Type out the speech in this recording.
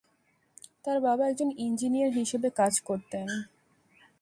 তাঁর বাবা একজন ইঞ্জিনিয়ার হিসাবে কাজ করতেন।